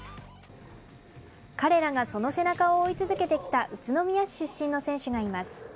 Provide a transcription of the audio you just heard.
彼らがその背中を追い続けてきた宇都宮市出身の選手がいます。